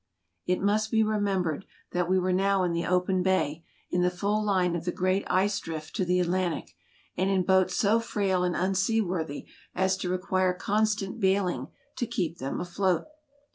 It must be remembered that we were now in the open bay, in the full line of the great ice drift to the Atlantic, and in boats so frail and unseaworthy as to require constant bail ing to keep them afloat.